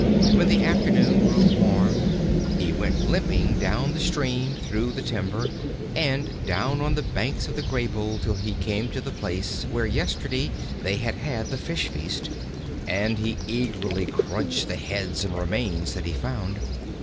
When the afternoon grew warm, he went limping down the stream through the timber, and down on the banks of the Graybull till he came to the place where yesterday they had had the fish feast; and he eagerly crunched the heads and remains that he found.